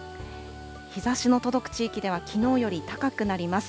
日ざしの届く地域ではきのうより高くなります。